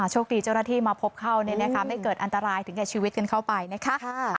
โชคดีเจ้าหน้าที่มาพบเข้าไม่เกิดอันตรายถึงแก่ชีวิตกันเข้าไปนะคะ